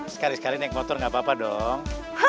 sekali sekali naik motor enggak apa apa dong